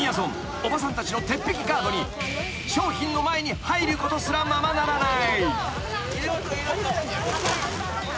おばさんたちの鉄壁ガードに商品の前に入ることすらままならない］